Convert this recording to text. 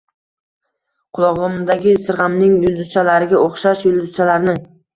qulog‘imdagi sirg‘amning yulduzchalariga o‘xshash yulduzchalarni…